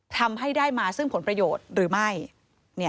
ทำให้ได้มาซึ่งผลประโยชน์หรือไม่